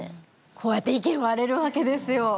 こうやって意見割れるわけですよ。